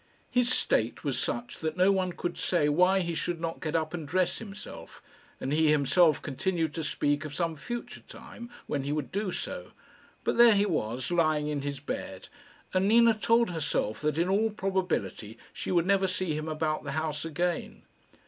His state was such that no one could say why he should not get up and dress himself, and he himself continued to speak of some future time when he would do so; but there he was, lying in his bed, and Nina told herself that in all probability she would never see him about the house again.